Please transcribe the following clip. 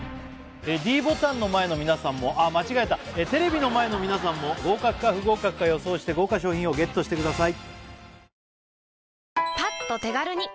ｄボタンの前の皆さんもあっ間違えたテレビの前の皆さんも合格か不合格か予想して豪華賞品をＧＥＴしてください